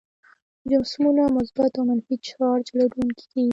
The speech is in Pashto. جسمونه مثبت او منفي چارج لرونکي کیږي.